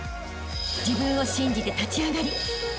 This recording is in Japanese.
［自分を信じて立ち上がりあしたへ